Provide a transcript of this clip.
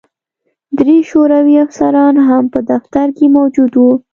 درې شوروي افسران هم په دفتر کې موجود وو